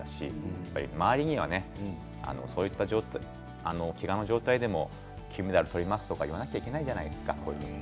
やっぱり周りにはねけがの状態でも金メダルを取ると言わなきゃいけないじゃないですか。